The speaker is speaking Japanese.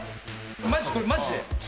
マジこれマジで。